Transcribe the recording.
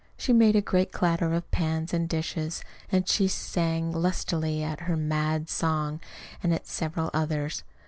She made a great clatter of pans and dishes, and she sang lustily at her "mad song," and at several others.